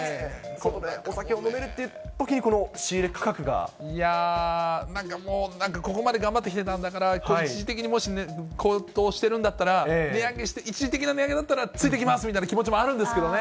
お酒を飲めるってときに、いやー、なんかもう、なんかここまで頑張ってきてたんだから、一時的にもしね、高騰してるんだったら、値上げして、一時的な値上げだったらついていきますみたいな気持ちもあるんですけどね。